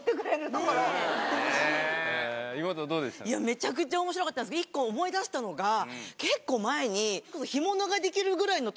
めちゃくちゃ面白かったんですけど１個思い出したのが結構前に。